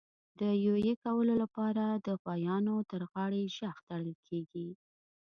د یویې کولو لپاره د غوایانو تر غاړي ژغ تړل کېږي.